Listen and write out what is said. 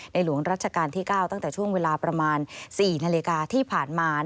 หลวงรัชกาลที่๙ตั้งแต่ช่วงเวลาประมาณ๔นาฬิกาที่ผ่านมา